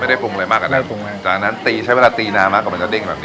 ได้ปรุงอะไรมากกว่านั้นปรุงมากจากนั้นตีใช้เวลาตีนานมากกว่ามันจะเด้งแบบนี้